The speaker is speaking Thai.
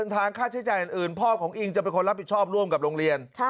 ทางค่าใช้จ่ายอื่นพ่อของอิงจะเป็นคนรับผิดชอบร่วมกับโรงเรียน